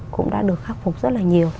cũng đã được khắc phục rất là nhiều